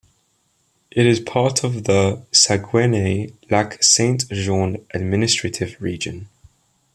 It is part of the Saguenay-Lac-Saint-Jean administrative region.